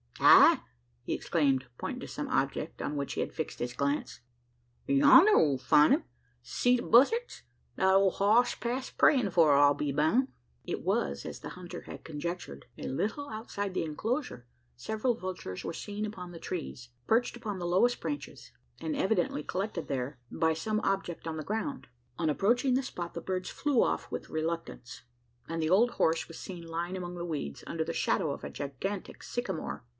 "Heigh!" he exclaimed, pointing to some object, on which he had fixed his glance. "Yonder we'll find him! See the buzzarts! The old hoss's past prayin' for, I'll be boun'." It was as the hunter had conjectured. A little outside the enclosure, several vultures were seen upon the trees, perched upon the lowest branches, and evidently collected there by some object on the ground. On approaching the spot, the birds flew off with reluctance; and the old horse was seen lying among the weeds, under the shadow of a gigantic sycamore.